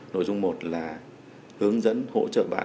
nội dung một là hướng dẫn hỗ trợ bạn